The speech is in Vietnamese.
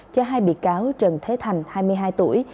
cho hai bị cáo trần thế thành hai mươi hai tuổi